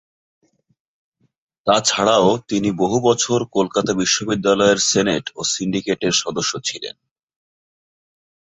তা ছাড়াও তিনি বহু বছর কলকাতা বিশ্ববিদ্যালয়ের সেনেট ও সিন্ডিকেটের সদস্য ছিলেন।